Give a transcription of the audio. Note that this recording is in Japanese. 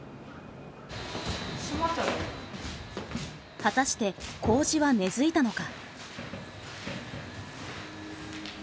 果たして麹は根づいたのか。